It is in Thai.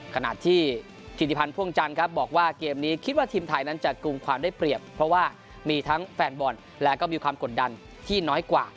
ขณะที่ธิติพันธ์พ่วงจันทร์ครับบอกว่าเกมนี้คิดว่าทีมไทยนั้นจะกลุ่มความได้เปรียบเพราะว่ามีทั้งแฟนบอลและก็มีความกดดันที่น้อยกว่า